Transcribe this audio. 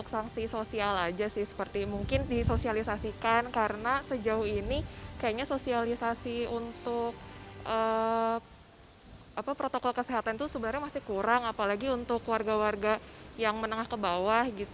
sanksi sosial aja sih seperti mungkin disosialisasikan karena sejauh ini kayaknya sosialisasi untuk protokol kesehatan itu sebenarnya masih kurang apalagi untuk warga warga yang menengah ke bawah